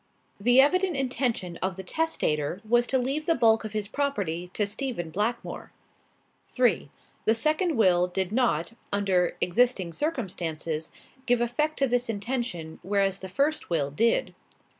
The evident intention of the testator was to leave the bulk of his property to Stephen Blackmore. "3. The second will did not, under existing circumstances, give effect to this intention, whereas the first will did.